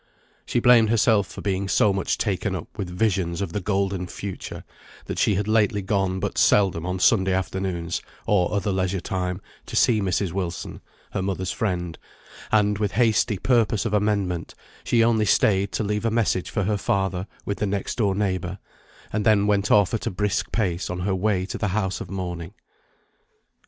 She blamed herself for being so much taken up with visions of the golden future, that she had lately gone but seldom on Sunday afternoons, or other leisure time, to see Mrs. Wilson, her mother's friend; and with hasty purpose of amendment she only stayed to leave a message for her father with the next door neighbour, and then went off at a brisk pace on her way to the house of mourning.